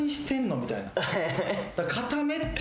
みたいな。